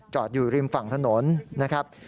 อยู่ริมฝั่งถนนนะครับ